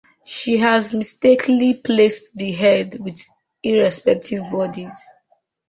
She has mistakenly placed the heads with irrespective body.